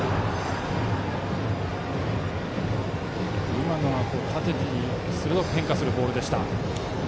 今のは縦に鋭く変化するボールでした。